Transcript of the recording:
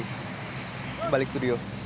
kembali ke studio